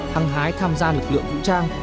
hăng hái tham gia lực lượng vũ trang